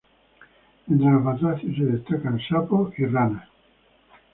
Entre los batracios se destacan sapos y ranas.